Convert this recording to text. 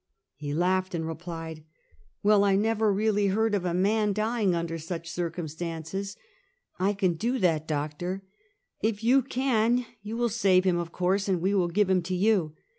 He laughed and replied: " "Well, I really never heard of a man dying under such circumstances." " I can do that, doctor." " If you can you will save him, of course, and we will give him to you."